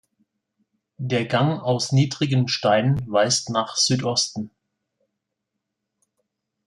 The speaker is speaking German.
Der Gang aus niedrigen Steinen weist nach Südosten.